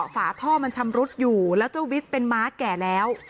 ฝาท่อมันชำรุดอยู่แล้วเจ้าวิสเป็นม้าแก่แล้ว